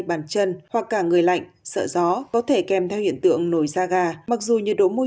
bàn chân hoặc cả người lạnh sợ gió có thể kèm theo hiện tượng nổi da gà mặc dù nhiệt độ môi